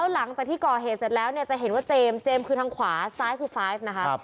หลังจากที่ก่อเหตุเสร็จแล้วจะเห็นว่าเจมส์คือทางขวาซ้ายคือ๕นะฮะ